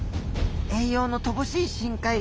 栄養の乏しい深海。